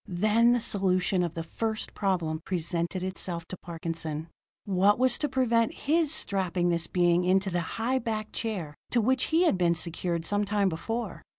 Then the solution of the first problem presented itself to Parkinson. What was to prevent his strapping this being into the high backed chair to which he had been secured some time before?